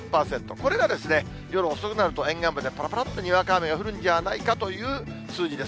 これが夜遅くなると、沿岸部でぱらぱらっと、にわか雨が降るんじゃないかという数字です。